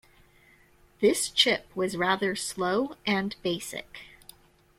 This chip was rather slow and basic.